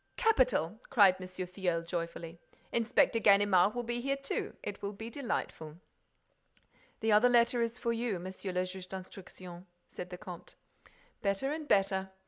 "Capital!" cried M. Filleul, joyfully. "Inspector Ganimard will be here too. It will be delightful." "The other letter is for you, Monsieur le Juge d'Instruction," said the comte. "Better and better," said M.